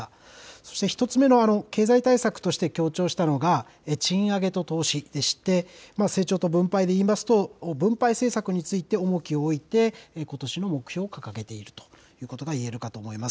そして１つ目の経済対策として強調したのが、賃上げと投資でして、成長と分配でいいますと、分配政策について重きを置いて、ことしの目標を掲げているということがいえるかと思います。